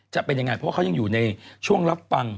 จะเป็นยังไงเพราะว่าเขายังอยู่ในช่วงรับฟัง